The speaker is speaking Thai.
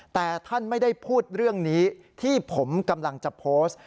แต่ท่านไม่ได้พูดเรื่องนี้ที่ผมกำลังจะโพสต์